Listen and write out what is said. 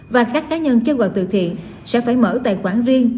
và các khái nhân kêu gọi tự thiện sẽ phải mở tài khoản riêng